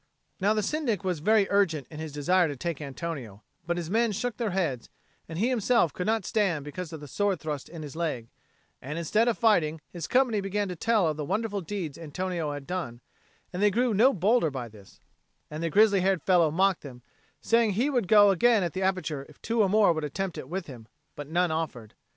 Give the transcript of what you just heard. Now the Syndic was very urgent in his desire to take Antonio, but his men shook their heads, and he himself could not stand because of the sword thrust in his leg; and, instead of fighting, his company began to tell of the wonderful deeds Antonio had done, and they grew no bolder by this; and the grizzly haired fellow mocked them, saying that he would go again at the aperture if two more would attempt it with him; but none offered.